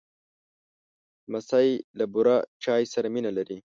لمسی له بوره چای سره مینه لري.